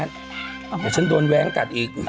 สบแม่ให้ฉันโดนแว้งกัดอีก